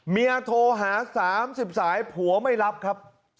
เมียโทรหา๓๐สายผัวไม่รับครับ